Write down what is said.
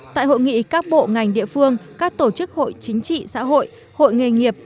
tại hội nghị các bộ ngành địa phương các tổ chức hội chính trị xã hội hội nghề nghiệp